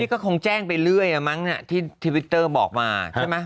นี่ก็คงแจ้งไปเรื่อยอะมั้งเนี่ยที่ทวิตเตอร์บอกมาใช่มั้ย